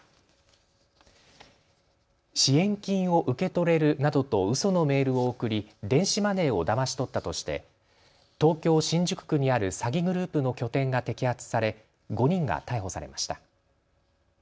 支援金を受け取れるなどとうそのメールを送り電子マネーをだまし取ったとして東京新宿区にある詐欺グループの拠点が摘発され５人が逮捕されました。